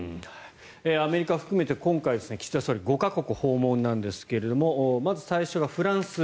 アメリカ含めて今回、岸田総理５か国訪問なんですがまず最初がフランス。